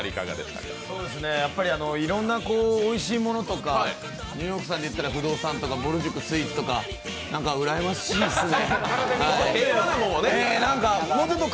いろいろなおいしいものとかニューヨークさんで言ったら不動産とかぼる塾のスイーツとかなんか、うらやましいっすね。